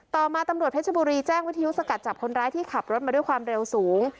ต่อมาตำรวจเพชรบุรีแจ้งวิทยุสกัดจับคนร้ายที่ขับรถมาด้วยความเร็วสูง